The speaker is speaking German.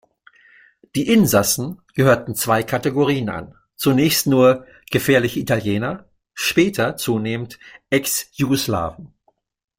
Die Insassen gehörten zwei Kategorien an: zunächst nur „gefährliche Italiener“, später zunehmend „Ex-Jugoslawen“.